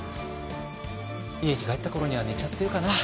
家に帰った頃には寝ちゃってるかな。